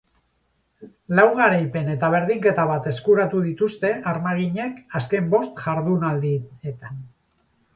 Lau garaipen eta berdinketa bat eskuratu dituzte armaginek azken bost jardunaldietan.